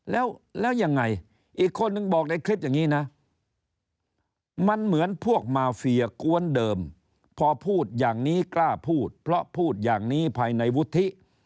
แล้วยังไงอีกคนนึงบอกในคลิปอย่างนี้นะมันเหมือนพวกมาเฟียกวนเดิมพอพูดอย่างนี้กล้าพูดเพราะพูดอย่างนี้ภายในวุฒิ